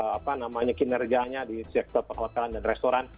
apa namanya kinerjanya di sektor perhotelan dan restoran